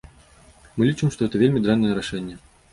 Мы лічым, што гэта вельмі дрэннае рашэнне.